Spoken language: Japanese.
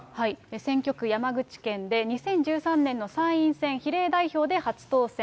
選挙区山口県で、２０１３年の参院選比例代表で初当選。